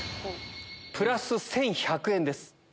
プラス１１００円です。